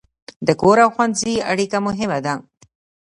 د کور او ښوونځي اړیکه مهمه ده.